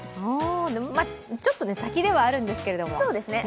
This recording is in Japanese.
ちょっと先ではあるんですけど。